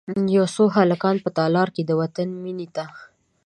یو څو هلکان به په تالار کې، د وطن میینې ته،